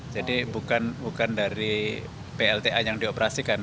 jadi bukan dari plta yang dioperasikan